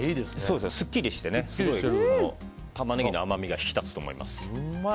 すっきりしてタマネギの甘みが引き立つと思います。